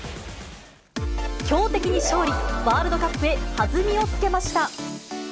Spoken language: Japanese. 強敵に勝利、ワールドカップへ弾みをつけました。